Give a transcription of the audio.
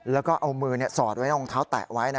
แล้วก็เอามือสอดไว้รองเท้าแตะไว้